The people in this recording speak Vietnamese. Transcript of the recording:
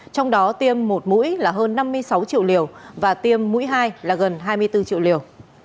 trong đó tiêm một mũi là hơn năm mươi sáu triệu liều và tiêm mũi hai là gần hai mươi bốn triệu liều